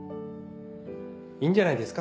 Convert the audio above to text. いいんじゃないですか？